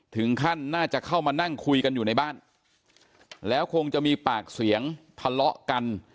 ถึงขั้นน่าจะเข้ามานั่งคุยกันอยู่ในบ้านแล้วคงจะมีปากเสียงทะเลาะกัน